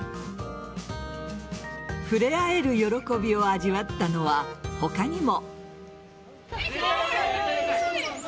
触れ合える喜びを味わったのは他にも。